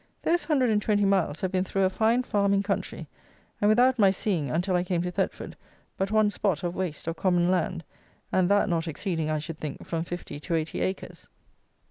Those 120 miles have been through a fine farming country, and without my seeing, until I came to Thetford, but one spot of waste or common land, and that not exceeding, I should think, from fifty to eighty acres.